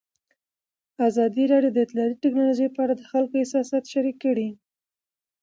ازادي راډیو د اطلاعاتی تکنالوژي په اړه د خلکو احساسات شریک کړي.